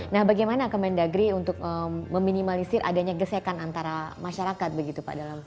nah bagaimana kementerian negeri untuk meminimalisir adanya gesekan antara masyarakat begitu pak dalam